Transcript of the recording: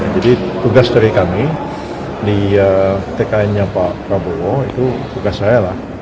jadi tugas dari kami di tkn nya pak prabowo itu tugas saya lah